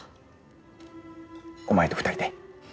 お前と２人で。